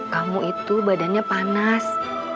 kamu itu badannya panas